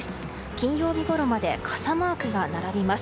金曜日ごろまで傘マークが並びます。